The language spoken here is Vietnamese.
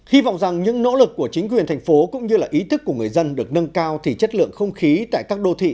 hy vọng rằng những nỗ lực của chính quyền thành phố cũng như là ý thức của người dân được nâng cao thì chất lượng không khí tại các đô thị